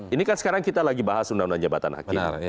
ini kan sekarang kita lagi bahas undang undang jabatan hakim